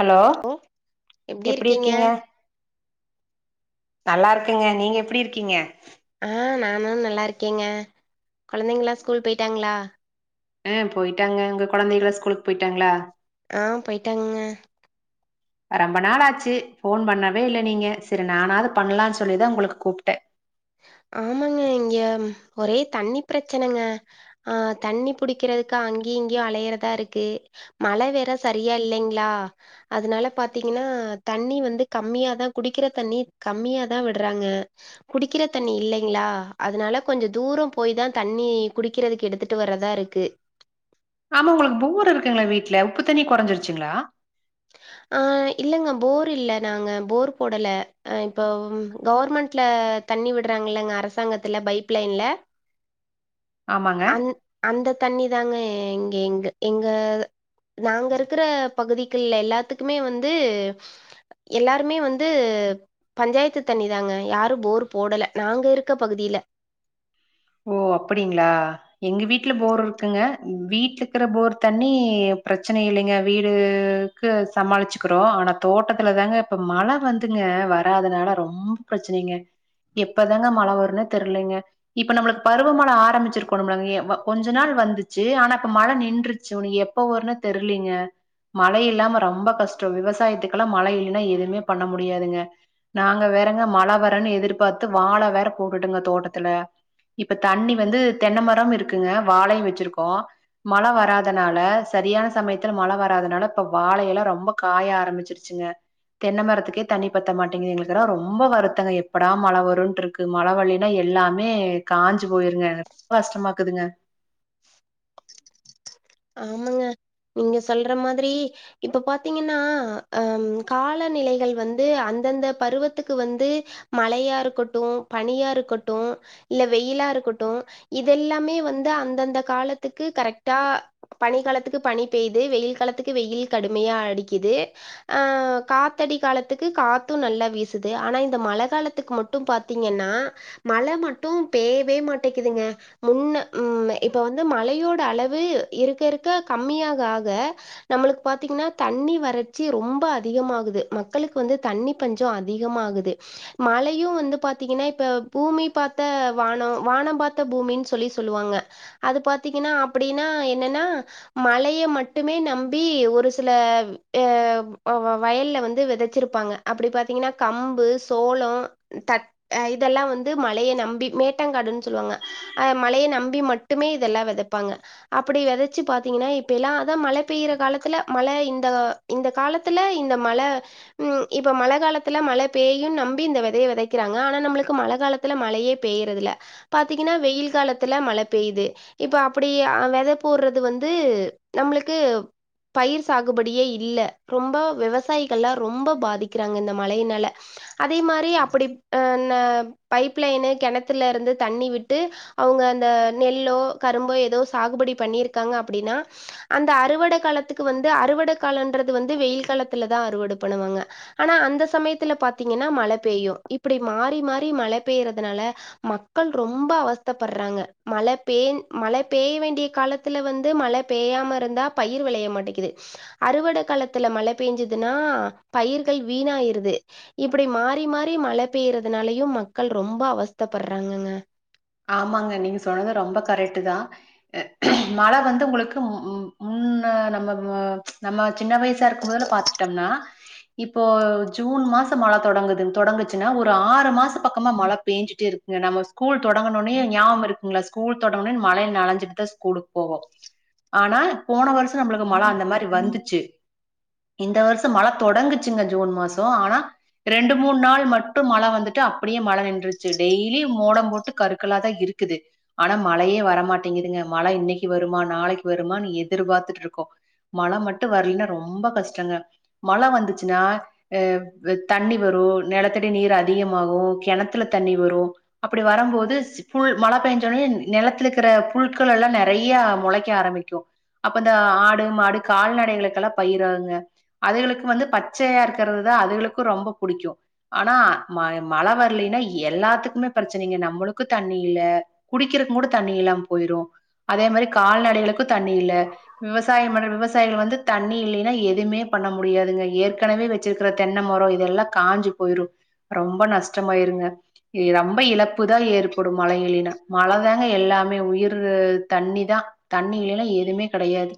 hello ஓ எப்பிடி இருக்கீங்க நல்லா இருக்கங்க நீங்க எப்பிடி இருக்கிங்க ஆ நானு நல்லா இருக்கேங்க குழந்தைங்களா ஸ்கூல் போய்ட்டாங்ளா அ போயிட்டாங்க உங்க கொழந்தைகளா ஸ்கூலுக்கு போய்ட்டாங்ளா ஆ போயிட்டாங்கங்க [inaudible] ரொம்ப நாளாச்சு ஃபோன் பண்ணவே இல்ல நீங்க சரி நானாது பண்ணலான் சொல்லிதா உங்கள கூப்ட்டே ஆமாங்க இங்க ஒரே தண்ணி பிரச்சனங்க ஆ தண்ணி புடிக்கறதுக்கு அங்கயு இங்கயு அலையறதா இருக்கு மழை வேற சரியா இல்லைங்ளா அதனால பாத்திங்கனா தண்ணி வந்து கம்மியாதா குடிக்கிற தண்ணி கம்மியா தா விடறாங்க குடிக்கிற தண்ணி இல்லைங்ளா அதனால கொஞ்ச தூரம் போய் தா தண்ணி குடிக்கிறதுக்கு எடுத்துட்டு வர்றதா இருக்கு ஆமா உங்களுக்கு போர் இருக்குங்ளா வீட்ல உப்பு தண்ணி கொறஞ்சிருச்சுங்ளா ஆ இல்லங்க போர் இல்ல நாங்க போர் போடல இப்போ கவர்மெண்ட்ல தண்ணி விடுறாங்களங்க அரசாங்கத்துல பைப் லைன்ல ஆமாங்க அந் அந்த தண்ணி தாங்க எங்க எங்க எங்க நாங்க இருக்கிற பகுதிகள்ல எல்லாத்துக்குமே வந்து எல்லாருமே வந்து பஞ்சாயத்து தண்ணிதாங்க யாரு போர் போடல நாங்க இருக்க பகுதியில [inaudible] ஓ அப்படிங்ளா எங்க வீட்ல போர் இருக்குங்க வீட்ல இருக்கிற போர் தண்ணி பிரச்சனை இல்லைங்க வீடுக்கு சமாளிச்சுக்கறோ ஆனா தோட்டத்துல தாங்க இப்ப மழை வந்துங்க வராதுனால ரொம்ப பிரச்சனைங்க எப்பதாங்க மழ வருன்னே தெர்லிங்க இப்ப நம்மளுக்கு பருவமழை ஆரம்பிச்சிருக்கோணும்ளங் அ கொஞ்ச நாள் வந்துச்சு ஆனா இப்ப மழை நின்றுச்சு உன் எப் எப்போ வருன்னே தெர்லிங்க மழை இல்லாம ரொம்ப கஷ்ட விவசாயத்துக்கெல்லா மழை இல்லன்னா எதுமே பண்ண முடியாதுங்க நாங்க வேறங்க மழை வரன் எதிர்பாத்து வாழ வேற போட்டுட்டங்க தோட்டத்துல இப்ப தண்ணி வந்து தென்னை மரம் இருக்குங்க வாழையு வெச்சிருக்கோ மழ வராதனால சரியான சமயத்துல மழ வராதுனால இப்ப வாழையெலா ரொம்ப காய ஆரம்பிச்சிருச்சுங்க தென்னை மரத்துக்கே தண்ணி பத்த மாட்டேங்குது எங்களுக்கெலா ரொம்ப வருத்தங்க எப்படா மழ வருன்ட்ருக்கு மழ வல்லினா எல்லாமே காஞ்சு போயிருங்க ரொம்ப கஷ்டமாக்குதுங்க ஆமங்க நீங்க சொல்ற மாதிரி இப்ப பாத்திங்கன்னா அ காலநிலைகள் வந்து அந் அந்தந்த பருவத்துக்கு வந்து மழையா இருக்கட்டு பனியா இருக்கட்டு இல்ல வெயிலா இருக் இருக்கட்டு இதெல்லாமே வந்து அந்தந்த காலத்துக்கு கரெக்டா பனிகாலத்துக்கு பனி பேய்து வெயில் காலத்துக்கு வெயில் கடுமையா அடிக்குது ஆ காத்த காலத்துக்கு காத்து நல்லா வீசுது ஆனா இந்த மழ காலத்துக்கு மட்டு பாத்திங்கன்னா மழ மட்டும் பேயவே மாட்டேங்குதுங்க முன்ன உ இப்ப வந்து மழையோட அளவு இருக்க இருக்க கம்மியாக ஆக நம்மளுக்கு பாத்திங்னா தண்ணி வறட்சி ரொம்ப அதிகமாகு து மக்களுக்கு வந்து தண்ணி பஞ்ச அதிகமாகுது மழையு வந்து பாத்திங்கனா இப்ப பூமி பாத்த வான வானம் பாத்த பூமின் சொல்லி சொல்லுவாங்க அது பாத்திங்கனா அப்டின்னா என்னனா மழைய மட்டுமே நம்பி ஒரு சில அ வ வயல்ல வந்து வெதச்சிருப்பாங்க அப்டி பாத்திங்னா கம்பு, சோள, தட் இதெல்லா வந்து ம ழைய நம்பி மேட்டங்காடுன் சொல்வாங்க அ மழைய நம்பி மட்டுமே இதெல்லா வெதப்பாங்க அப்பிடி வெதைச்சு பாத்திங்னா இப்பய்லா அதா மழை பெயிற காலத்துல மழை இந்த இந்த காலத்துல இந்த மழ இப்ப மழ காலத்துல மழை பேயுன் நம்பி இந்த வெதைய வெதைக்கறாங்க ஆனா நம்மளுக்கு மழ கால த்துல மழையே பேயறதுல பாத்திங்கனா வெயில் காலத்துல மழ பெய்து இப்ப அப்பிடி அ வெ த போடறது வந்து நம்மளுக்கு பயிர் சாகுபடியே இல்ல ரொம்ப விவசாயிகள்லா ரொம்ப பாதிக்கிறாங்க இந்த மழயினால அதே மாரி அப்படி அ ந பைப் லைனு கெணத்துல இருந்து தண்ணி விட்டு அவுங் க அந்த நெல்லோ கரும்போ எதோ சாகுபடி பண்ணிருக்காங்க அப்டின்னா அந்த அறுவட காலத்துக்கு வந்து அறுவட காலன்றது வந்து வெயில் காலத்துல தா அறுவட பண்ணுவாங்க ஆனா அந்த சமயத்தில பாத்தீங்கன்னா மழ பெய்யு இப்டி மாறி மாறி மழ பெய் யுறதுனால மக்கள் ரொம்ப அவஸ்தப்பர்றாங்க மழ பேய் மழ பெய்ய வேண்டிய காலத்தில வந்து மழ பெய்யாம இருந்தா பயிர் விளைய மாட்டேக்குது அறுவட காலத்தில மழ பெஞ்சது னா பயிர்கள் வீணாயிருது இப்படி மாறி மாறி மழ பெயறதுனாலயையு மக்கள் ரொம்ப அவஸ்தைப்பர்றாங்கங்க ஆமாங்க நீங்க சொன்னது ரொம்ப கரெக்ட்டுதா மழ வந்து உங்களுக்கு ம் முன் ன்ன நம்ம நம்ம சின்ன வயசா இருக்கும்போதல பாத்துட்டோம்னா இப்போ ஜூன் மாச மழ தொடங்குது தொடங்குச்சுன்னா ஒரு ஆறு மாச பக்கமா மழ பெஞ்சுட்டே இருக்குங்க நம ஸ்கூல் தொடங்கணுன்னுே ஞாபம் இருக்குங்களா ஸ்கூல் தொடங்கணுனு மழைய நனைஞ்சிட்டு தா ஸ்கூலுக்கு போவோ ஆனா போன வருஷ நம்மளுக்கு மழ அந்த மாரி வந்துச்சு இந்த வருஷ மழ தொடங்குச்சுங்க ஜூன் மாசோ ஆனா ரெண்டு மூண் நாள் மட்டு மழ வந்துட்டு அப்டியே மழ நின்றுருச்சு டெய்லி மோடம் போட் டு கருக்களாதா இருக்குது ஆனா மழையே வரமாட்டேங்குங்க மழ இன்னைக்கு வருமா நாளைக்கு வருமானு எது எதிர்பார்த்துட்ருக்கோ மழ மட்டு வரலன்னா ரொம்ப கஷ்டங்க மழை வந்துச்சுன்னா அ தண்ணி வரு நிலத்தடி நீர் அதிகமாகு கெணத்துல தண்ணி வரு அப்டி வர போது புல் மழ பெஞ்சோனே நிலத்துல இருக்கிற புல்க்கள் எல்லா நெறய மொளைக்க ஆரம்பிக்கு அப்ப இந்த ஆடு மாடு கால்நடைகளுக்கெல்லா பயிராங்க அதுகளுக்கு வந்து பச்சையா இருக்கிறதுதா அதுகளுக்கு ரொம்ப புடிக்கு ஆனா ம மழ வரலைன்னா எல்லாத்துக்குமே பிரச்சனைங்க நம் நம்மளுக்கு தண்ணி இல்ல குடிக்கிறதுக்குங்கூட தண்ணி இல்லாம போயிரு அதே மாதிரி கால்நடைகளுக்கு தண்ணி இல்ல விவசாய மண் விவசாயிகள் வந்து தண்ணி இல்லைன்னா எதுவுமே பண்ண முடியாதுங்க ஏற்கனவே வச்சிருக்கிற தென்னமரோ இதெல்லா காஞ்சி போயிரு ரொம்ப நஷ்டமாயிருங்க ரொம்ப இழப் ப்புதா ஏற்படு மழ இல்லனா மழ தாங்க எல்லாமே உயிர் தண்ணி தா தண்ணி இல்லனா எதுவுமே கெடையாது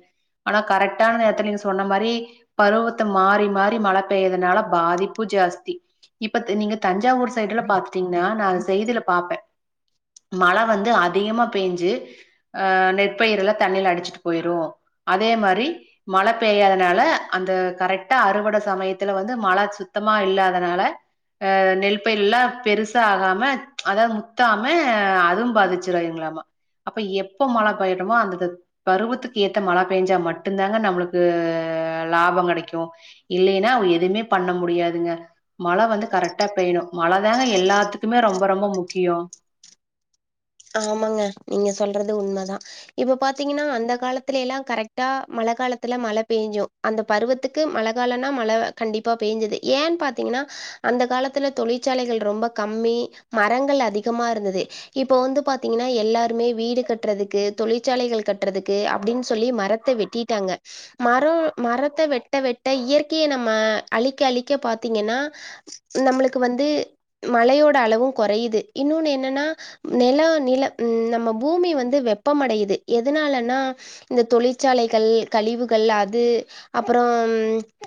ஆனா கரெக்டான நேரத்த நீங்க சொன்ன மாரி பருவத்த மாறி மாறி மழை பெய்யதுனால பாதிப்பு ஜாஸ்தி இப்ப நீங்க தஞ்சாவூர் சைட்ல பாத்துட்டீங்கன்னா நா செய்தியில பாப்பே மழ வந்து அதிகமா பெஞ்சு அ நெற்பயிரல தண்ணில அடிச்சிட்டு போயிரு அதே மாரி மழ பெய்யாதனால அந்த கரெக்டா அறுவடை சமயத்துல வந்து மழ சுத் சுத்தமா இல்ல அதனால அ நெல் பயர்ல்லா பெருசா ஆகாம அதாவது முத்தாம அது பாதிச்சுருங்களாமா அப்ப எப்ப மழ பெயறமோ அந்த பருவத்துக்கு ஏத்த மழை பெஞ்சா மட்டுந்தாங்க நம்மளுக்கு லாப கெடைக்கு இல்லைன்னா எதுவுமே பண்ண முடியாதுங்க மழ வந்து கரெக்டா பெய் மழதாங்க எல்லாத்துக்குமே ரொம்ப ரொம்ப முக்கியோ ஆமாங்க நீங்க சொல்றது உண்மதா இப்ப பாத்தீங்கன்னா அந்த காலத்துலலெல்லா கரெக்டா மழ மழ காலத்து மழ பெஞ்சு அந்த பருவத்துக்கு மழ காலனா மழ கண்டிப்பா பெஞ்சது ஏன்னு பாத்தீங்கன்னா அந்த காலத்துல தொழிற்சாலைகள் ரொம்ப கம்மி மரங்கள் அதிகமா இருந்தது இப்ப வந்து பாத்தீங்கன்னா எல்லாருமே வீடு கட்டுறதுக்கு தொழிற்சாலைகள் கட்டுறதுக்கு அப்படின்னு சொல்லி மரத்த வெட்டிட்டாங்க க மர மரத்த வெட்ட வெட்ட இயற்கையை நம்ம அழிக்க அழிக்க பாத்தீங்கன்னா நம்மளுக்கு வந்து மழையோட அளவு கொறையுது இன்னொன்னு என்னன்னா நெல நிலம் ம் நம்ம பூமி வந்து வெப்பமடையுது எதனாலனா இந்த தொழிற்சாலைகள் கல் கழிவுகள் அது அப்பறம்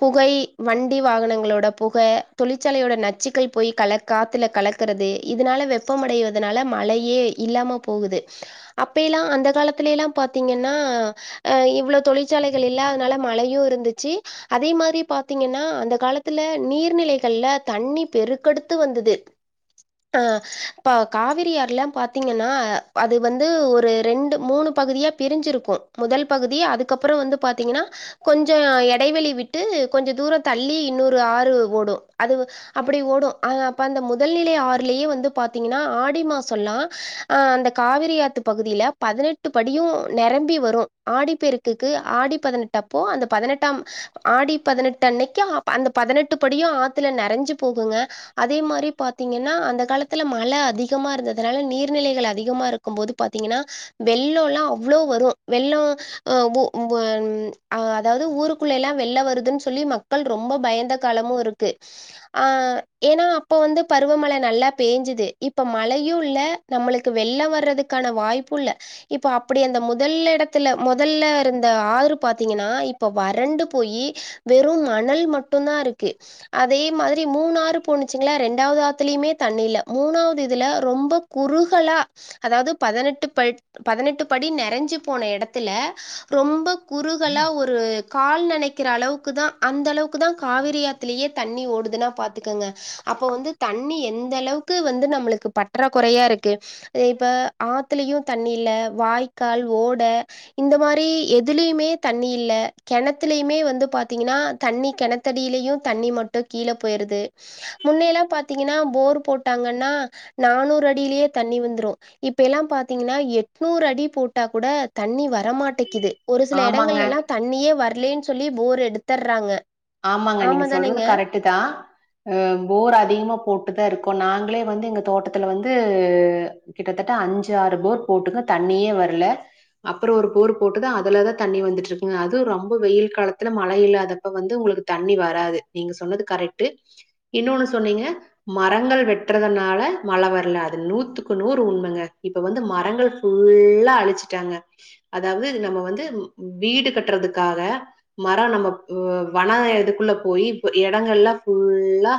புகை வண்டி வாகனங்களோட புக தொழிற் தொழிறச்சாலையோட நச்சுக்கல போய் கல காத்துல கலக்கிறது இதனால வெப்பம்மடைவதனால மழையேய் இல்லாம போகுது அப்பல்லா அந்த காலத்தில எல்லா பாார்த்தீங்கன்னா அ இவ்வளோ தொழிற்சா லைகள் இல்லாதனால மழையு இருந்துச்சு அதே மாரி பாத்தீங்கன்னா அந்த காலத்து நீர்நிலைகள் தண்ணி பெருக்கெடுத்து வந்தது அ ஆ காவிரியார்ல்லா பாத்த த்திங்கன்னா அ அது வந்து ஒரு ரெண்டு மூணு பகுதியா பிரிஞ்சிருக்கும் முதல் பகுதி அதுக்கப்புறம் வந்து பாத்தீங்கனனா கொஞ்ச இடைவெளி விட்டு கொஞ்ச தூரம் தள்ளி இன்னொரு ஆறு ஓடு அது அப்டி ஓடு அது அப்ப அந்த முதல்நிலை ஆறுலயே வந்து பாத்தீங்கன்னா ஆடிமாசெல்லா ஆ அந்த காவிரியாத்து பகுதியில பதினெட்டு படியு நெரம்பி வரும் ஆடிப்பருக்குக்கு ஆடி பதினெட்டு அப்போ அந்த பதினெட்டாம் ஆடி பதினெட்டு அன்னைக்கு அந்த பதினெட்டு படியும் ஆத் துல நெறஞ்சு போகுங்க அதே மாரி பாத்தீங்கன்னா அந்த காலத்துல மழ அதிகமா இருந்ததுனால நீர் நிலைகள் அதிகமா இருக்கும்போது பாத்தீங்கன்னா வெள்ளோலா அவ்ளோ வரு வெள்ளோ ஒ உ ஒன் அதாது ஊருகுள்ளேலா வெள்ளொ வருதுன் சொல்லி மக்கள் ரொம்ப பயந்த காலமு இருக்கு ஆ ஏன்னா அப்ப வந்து பருவமழ நல்லா பெஞ்சுது இப்ப மழயு இல்ல நம்முளுக்கு வெள்ளொ வர்றதுக்கான வாய்ப்பு இல்ல இப்ப அப்டி அந்த முதல்லெடத்துல முதல்லருந்த ஆறு பாத்தீங்கன்னா இப்ப வறண்டு போயி வெறு மணல் மட்டும் தா இருக்கு அ தே மாதிரி மூணு ஆறு போணுச்சுங்கள ரெண்டாவது ஆத்துலயுமே தண்ணி இல்ல மூணாவது இதுல ரொம்ப குறுகலா அதாது பதினெட்டு பட் பதினெட்டு படி நெறஞ்சு போன எடத்துல ரொம்ப குறுகலா ஒரு கால் நெனைக்குற அளவுக்குதா அந்த அளவுக்குதா காவிரியாத்துலயே தண்ணி ஓடுதுன்னா பாத்துக்கங்க அப்போ வந்து தண்ணி எந்த அளவுக்கு வந்து நம்முளுக்கு பற்றா குறையா இருக்கு இப்ப ஆத்துலயு தண்ணி இல்ல வாய்க்கால் ஓட இந்த மா ரி எதுலியுமே தண்ணி இல்ல கெணத்துலயுமே வந்து பாத்தீங்கன்னா தண்ணி கெணத்தடிலயு தண் ணி மட்டு கீழ போயிருது முன்னெல்லா பாத்தீங்கன்னா போர் போட்டாங்கன்னா நானூற் அடிலயே தண்ணி வந்துரு இப்பெல்லா பாத்தீங்கன்னா எட்நூறு அடி போட்டா கூட தண்ணி வரமாட்டெக் கிது ஒரு சில ஆமாங்க எடங்கள்லேலா தண்ணியே வர்லேன் சொல்லி போர் எடுத்தற்ராங்க ஆமங்க நீங்க சொல்றது கரெக்டுதா அ போர் அதிகமா போட்டுதா இருக்கோ நாங் ளே வந்து எங்க தோட்டத்துல வந்து கிட்டத்தட்ட அஞ்சு ஆறு போர் போட்டுகோ தண்ணியே வர்ல அப்புறோ ஒரு போர் போட்டுதா அதுலதா தண்ணி வந்துட்டுருக்குங்க அதும் ரொம்ப வெயில் காலத்துல மழை இல்லாதப்ப வந் து உங்குளுக்கு தண்ணி வராது நீங்க சொன்னது கரெக்டு இன்னோனு சொன்னீங்க மரங்கள் வெட்றத னால மழ வர்ல அது நூத்துக்கு நூறு உண்மங்க இப்ப வந்து மரங்கள் ஃபுல்லா அழிச்சுட்டாங்க அதாவ்து நம்ம வந்து வீடு கட்டுறதுகாக மரொ நம்ம ஓ வன இதுக்குள்ள போயி இப்ப எடங்கள்லா ஃபுல்லா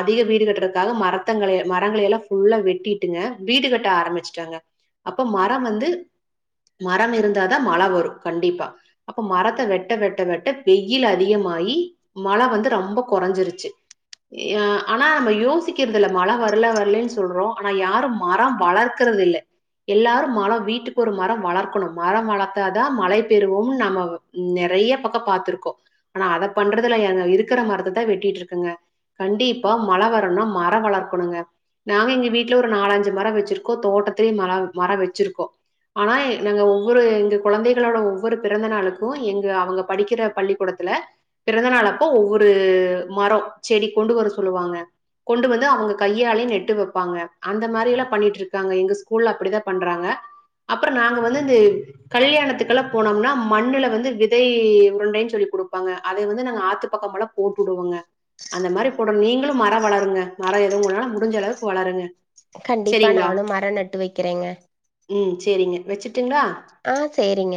அதிக வீடு கட்டுறதுகாக மரத்த ங்களைய மரங்களையல்லா ஃபுல்லா வெட்டிட்டுங்க வீடு கட்ட ஆரம்பிச்சுட்டாங்க அப்பொ மரொ வந்து மரம் இருந்தாதா மழ வரு கண்டிப்பா அப்ப மரத்த வெட்ட வெட்ட வெட்ட பெய் வெயில் அதிகமாயி மழ வந்து ரொம்ப கொறஞ்சுருச்சு ஆனா நம யோசிக்கிறது இல்ல மழ வர்ல வர்லேன் சொல்றோ ஆனா யாரு மரொ வளர்கறது இல்ல எல்லாரு மரொ வீட்டுக்கொரு மரொ வளர்கணு மரொ வளத்தாதா மழை பெறுவோம்னு நம்ம நெ றைய பக்கொ பாத்துருக்கோ ஆனா அத பண்றதுல்ல இருக்குற மரத்தத்தா வெட்டிட்ருகங்க கண்டிப்பா மழ வரணுனா மரொ வளர்கணுங்க நாங்க எங்க வீட்ல ஒரு நாலஞ்சு மரொ வெச்சுருகோ தோட்டத்துலயு மரொ மரொ வெச்சுருகோ ஆனா நாங்க ஒவ்வொரு எங்க கொழந்தைகளோட ஒவ்வொரு பிறந்த நாளுக்கு எங்க அவங்க படிக்கிற பள்ளிகூடத் ல பிறந்த நாள் அப்ப ஒவ்வொரு மரொ செடி கொண்டு வர சொல்லுவாங்க கொண்டு வந்து அவுங்க கையாலே நெட்டு வெப்பாங்க அந்த மாரிலா பண்ணிட்ருக்காங்க எங்க ஸ்கூல்ல அப்டிதா பண்றாங்க அப்புறோ நாங்க வந்து இந்த கல்யாணத்துகல்லா போனோம்னா மண்ணுல வந்து விதை உருண்டைன் சொல்லி குடு பாங்க அத வந்து நாங்க ஆத்து பக்கொலா போட்டுடுவோங்க அந்த மாரி போடனு நீங்களு மரொ வளருங்க மரொ எதும் உங்கானால முடிஞ்ச அளவுக்கு வளருங்க கண்டிப்பா செரிங்ளா நானு மரோ நட்டு வைக்கிறேங்க ம் சேரிங்க வெச்சுர்டுங்ளா ஆ சேரிங்க